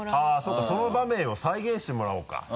あっそうかその場面を再現してもらおうか。